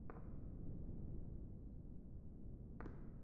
তিনি কখনো এক মৌসুমে সহস্র রানের সন্ধান পাননি।